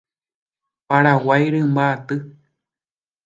Paraguái rymba'aty.